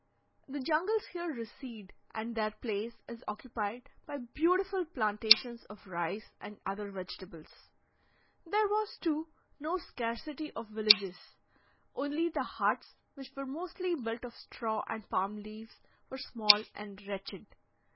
The jungles here recede, and their place is occupied by beautiful plantations of rice, and other vegetables. There was, too, no scarcity of villages, only the huts, which were mostly built of straw and palm leaves, were small and wretched.